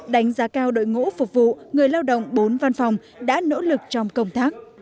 đánh giá cao đội ngũ phục vụ người lao động bốn văn phòng đã nỗ lực trong công tác